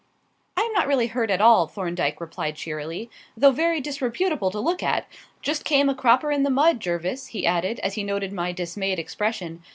"I am not really hurt at all," Thorndyke replied cheerily, "though very disreputable to look at. Just came a cropper in the mud, Jervis," he added, as he noted my dismayed expression.